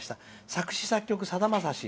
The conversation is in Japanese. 作詞・作曲、さだまさし。